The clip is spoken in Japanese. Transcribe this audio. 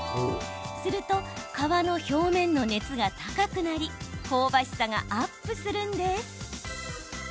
すると、皮の表面の熱が高くなり香ばしさがアップするんです。